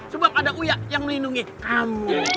sebab ada uya yang melindungi kamu